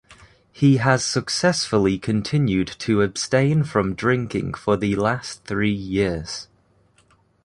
He has successfully continued to abstain from drinking for the last three years.